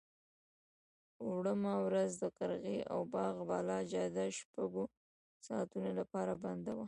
وړمه ورځ د قرغې او باغ بالا جاده شپږو ساعتونو لپاره بنده وه.